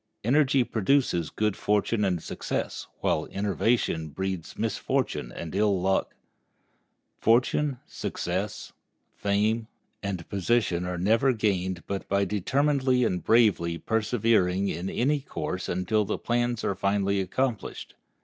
Energy produces good fortune and success, while enervation breeds misfortune and ill luck. Fortune, success, fame, position are never gained but by determinedly and bravely persevering in any course until the plans are finally accomplished.